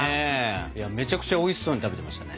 めちゃくちゃおいしそうに食べてましたね。